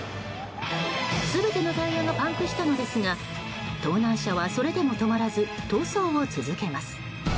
全てのタイヤがパンクしたのですが盗難車は、それでも止まらず逃走を続けます。